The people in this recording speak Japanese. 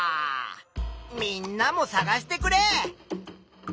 みんなもさがしてくれ。